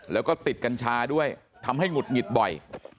แล้วก็ติดกัญชาด้วยทำให้หงุดหงิดบ่อย